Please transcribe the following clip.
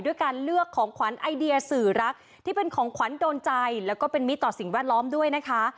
ด้วยการเลือกของขวัญไอเดียสื่อรักที่เป็นของขวัญโดนใจแล้วก็เป็นมิตรต่อสิ่งแวดล้อมด้วยนะคะ